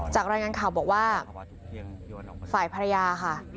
รายงานข่าวบอกว่าฝ่ายภรรยาค่ะ